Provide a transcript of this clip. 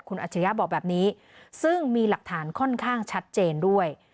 คุณอัจฉริยะบอกแบบนี้ซึ่งมีหลักฐานค่อนข้างชัดเจนด้วย